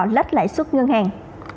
lách lãi suất ngân hàng